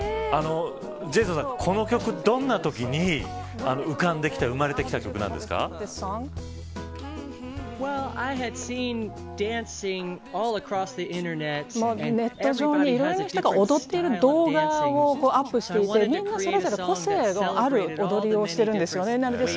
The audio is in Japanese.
ジェイソンさん、この曲どんなときに浮かんできてネット上にいろんな人が踊っている動画をアップしていてみんなそれぞれ個性のある踊りをしているんですよね。